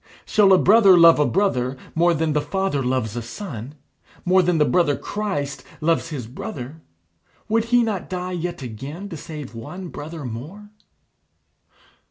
Shall a brother love a brother more than The Father loves a son? more than The Brother Christ loves his brother? Would he not die yet again to save one brother more?